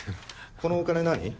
このお金何？